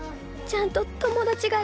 ちゃんと友達が。